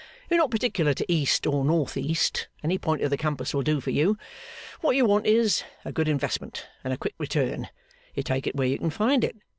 'You're not particular to east or north east, any point of the compass will do for you. What you want is a good investment and a quick return. You take it where you can find it.